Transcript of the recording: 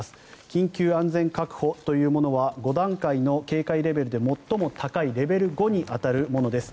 緊急安全確保というものは５段階の警戒レベルで最も高いレベル５に当たるものです。